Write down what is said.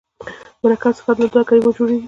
مرکب صفت له دوو کلمو جوړیږي.